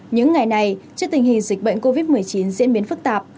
những ngày này trước tình hình dịch bệnh covid một mươi chín diễn biến phức tạp